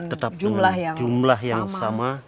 tetap dengan jumlah yang sama